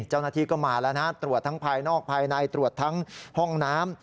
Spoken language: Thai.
เจ้าหน้าที่ก็มาแล้วนะตรวจทั้งภายนอกภายในตรวจทั้งห้องน้ำ